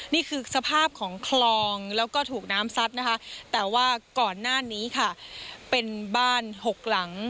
นี่คือสภาพของคลองแล้วก็ถูกน้ำซัดนะคะแต่ว่าก่อนหน้านี้ค่ะเป็นบ้านหกหลัง